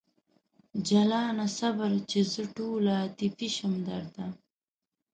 جلانه صبر! چې زه ټوله عاطفي شم درته